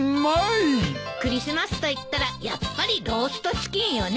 クリスマスといったらやっぱりローストチキンよね。